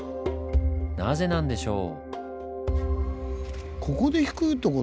なぜなんでしょう？